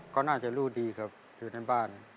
ก็น่าจะรู้ดีครับอยู่ในบ้าน